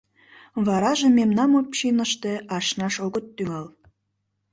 Вараже мемнам общиныште ашнаш огыт тӱҥал.